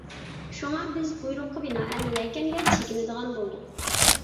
شۇڭا بىز بۇيرۇققا بىنائەن يەكەنگە چېكىنىدىغان بولدۇق.